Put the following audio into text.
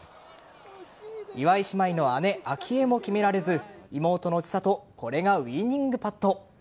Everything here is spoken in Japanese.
岩井姉妹の姉・明愛も決められず妹の千怜これがウイニングパット。